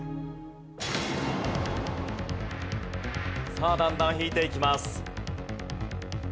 さあだんだん引いていきます。